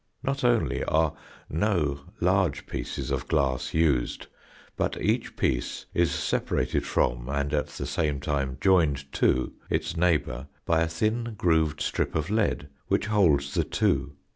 Not only are no large pieces of glass used, but each piece is separated from and at the same time joined to its neighbour by a thin grooved strip of lead which holds the two.